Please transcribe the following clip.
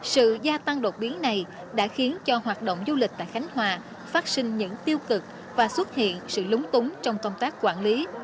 sự gia tăng đột biến này đã khiến cho hoạt động du lịch tại khánh hòa phát sinh những tiêu cực và xuất hiện sự lúng túng trong công tác quản lý